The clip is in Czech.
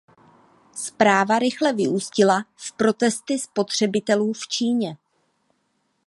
Zpráva rychle vyústila v protesty spotřebitelů v Číně.